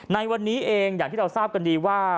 ในวันนี้เองอย่างที่เราทราบกันดีว่า